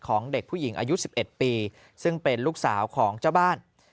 ของเด็กผู้หญิงอายุ๑๑ปีซึ่งเป็นลูกสาวของเจ้าบ้าน